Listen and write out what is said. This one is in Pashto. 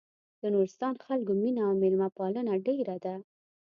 د نورستان خلکو مينه او مېلمه پالنه ډېره ده.